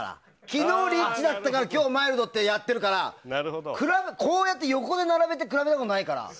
昨日リッチだったから今日マイルドってやってるからこうやって横で並べて比べたことないから。